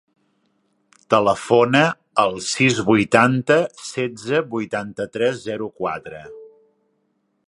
Telefona al sis, vuitanta, setze, vuitanta-tres, zero, quatre.